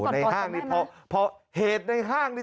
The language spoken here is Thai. ห้างนี้พอเหตุในห้างนี่